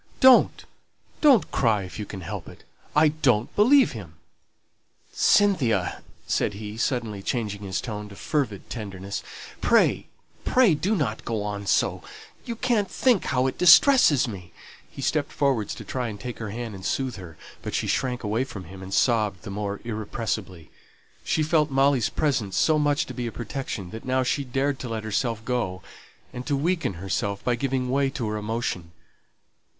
Don't, don't cry if you can help it; I don't believe him." "Cynthia," said he, suddenly changing his tone to fervid tenderness, "pray, pray do not go on so; you can't think how it distresses me!" He stepped forward to try and take her hand and soothe her; but she shrank away from him, and sobbed the more irrepressibly. She felt Molly's presence so much to be a protection that now she dared to let herself go, and to weaken herself by giving way to her emotion.